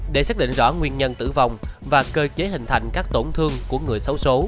để xác định rõ nguyên nhân tử vong và cơ hội